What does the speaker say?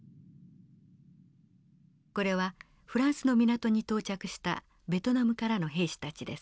これはフランスの港に到着したベトナムからの兵士たちです。